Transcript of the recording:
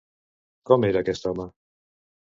Com era aquest home?